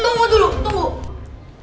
tunggu dulu tunggu